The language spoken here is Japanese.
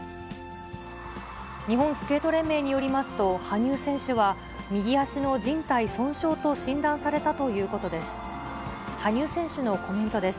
日本スケート連盟によりますと、羽生選手は右足のじん帯損傷と診断されたということです。